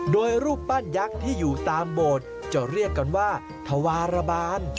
โดยรูปปั้นยักษ์ที่อยู่ตามโบสถ์จะเรียกกันว่าธวารบาล